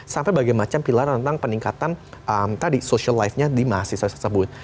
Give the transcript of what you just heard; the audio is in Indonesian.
sampai bagai macam pilar tentang peningkatan tadi social life nya di mahasiswa tersebut